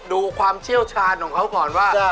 ความเชี่ยวชาญของเขาก่อนว่า